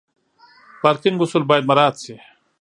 پارکینګ اصول باید مراعت شي.